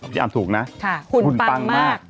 พี่อำถูกนะหุ่นปังมาก